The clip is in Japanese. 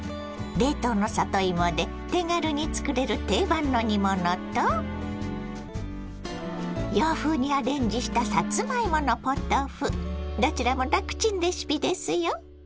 冷凍の里芋で手軽に作れる定番の煮物と洋風にアレンジしたどちらも楽ちんレシピですよ。